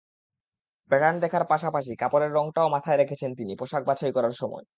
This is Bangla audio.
প্যাটার্ন দেখার পাশাপাশি কাপড়ের রংটাও মাথায় রেখেছেন তিনি পোশাক বাছাই করার সময়।